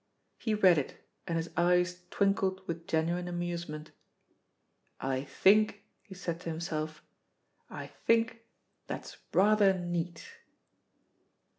He read it, and his eyes twinkled with genuine amusement. "I think," he said to himself, "I think that's rather neat."